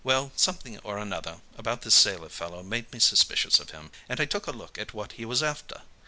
Well, something or another about this sailor fellow made me suspicious of him, and I took a look at what he was after.